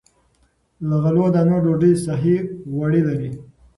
له غلو- دانو ډوډۍ صحي غوړي لري.